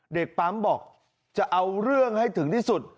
เด็กปั๊มบอกจะเอาเรื่องให้ถึงที่สุด